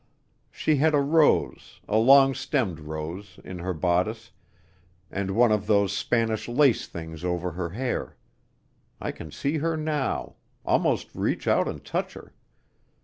She had a rose, a long stemmed rose, in her bodice, and one of those Spanish lace things over her hair. I can see her now, almost reach out and touch her.